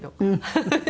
フフフフ！